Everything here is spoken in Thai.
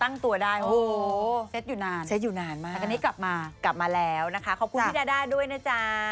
ตั้งตัวได้โอ้โหเซ็ตอยู่นานเซ็ตอยู่นานมากอันนี้กลับมากลับมาแล้วนะคะขอบคุณพี่ดาด้าด้วยนะจ๊ะ